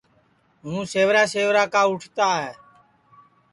ہوں سیورا سیورا کا اُٹھتا ہے